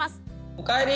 おかえり！